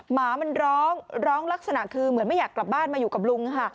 หมามันร้องร้องลักษณะคือเหมือนไม่อยากกลับบ้านมาอยู่กับลุงค่ะ